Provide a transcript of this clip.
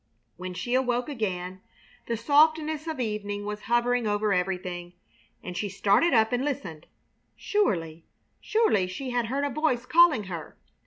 When she awoke again the softness of evening was hovering over everything, and she started up and listened. Surely, surely, she had heard a voice calling her!